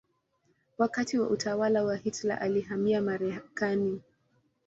Wakati wa utawala wa Hitler alihamia Marekani.